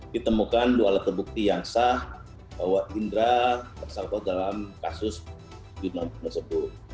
ditemukan dua alat bukti yang sah bahwa intra tersangka dalam kasus binomo tersebut